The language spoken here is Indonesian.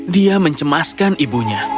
dia mencemaskan ibunya